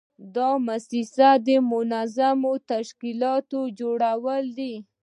دا په موسسه کې د منظمو تشکیلاتو جوړول دي.